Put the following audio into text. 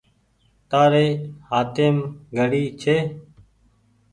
تآري هآتيم گھڙي ڇي۔